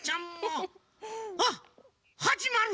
あっはじまる！